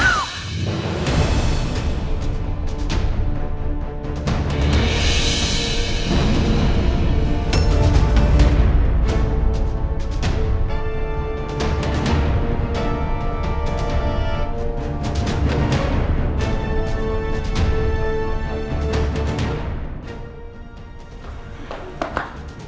aku mau makan siapapun